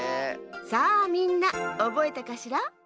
さあみんなおぼえたかしら？